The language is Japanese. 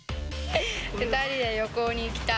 ２人で旅行に行きたい。